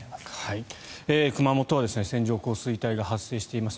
熊本は線状降水帯が発生しています。